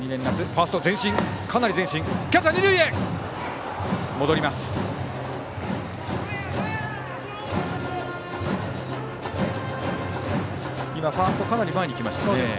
ファーストがかなり前に来ましたね。